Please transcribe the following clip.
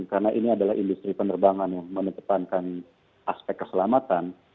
karena ini adalah industri penerbangan menetapkan aspek keselamatan